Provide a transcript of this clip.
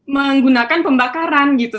menggunakan pembakaran gitu